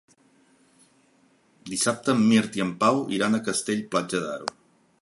Dissabte en Mirt i en Pau iran a Castell-Platja d'Aro.